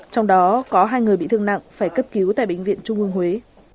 trong đó có hai người bị thương nặng phải cấp cứu tại bệnh viện trung ương huế